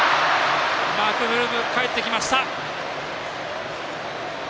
マクブルームかえってきました。